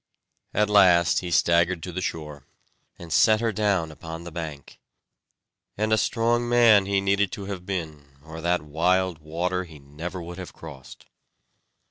At last he staggered to the shore, and set her down upon the bank; and a strong man he needed to have been, or that wild water he never would have crossed.